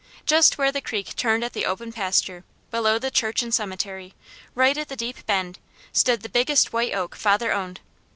Just where the creek turned at the open pasture, below the church and cemetery, right at the deep bend, stood the biggest white oak father owned.